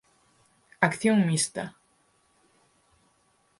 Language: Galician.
Acción mixta.